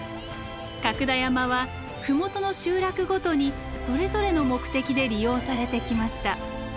角田山は麓の集落ごとにそれぞれの目的で利用されてきました。